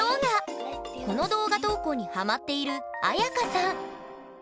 この動画投稿にハマっているあやかさん。